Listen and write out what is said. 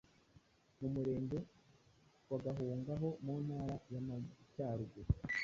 mu murenge wa Gahunga ho mu ntara y’Amajyaruguru,